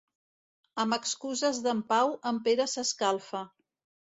Amb excuses d'en Pau, en Pere s'escalfa.